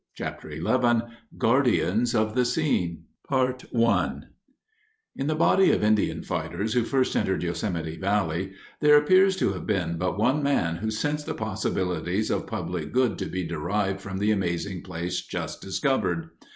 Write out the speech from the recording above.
CHAPTER XI GUARDIANS OF THE SCENE In the body of Indian fighters who first entered Yosemite Valley, there appears to have been but one man who sensed the possibilities of public good to be derived from the amazing place just discovered.